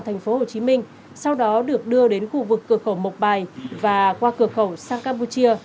thành phố hồ chí minh sau đó được đưa đến khu vực cửa khẩu mộc bài và qua cửa khẩu sang campuchia